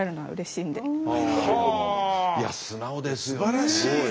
いや素直ですよ。